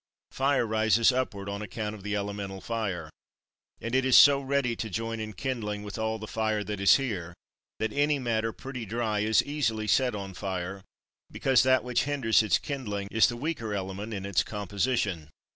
Fire rises upward on account of the elemental fire; and it is so ready to join in kindling with all the fire that is here that any matter pretty dry is easily set on fire, because that which hinders its kindling is the weaker element in its composition.